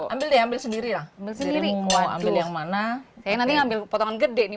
ambil ambil sendiri lah sendiri mau ambil yang mana ya nanti ambil potongan gede nih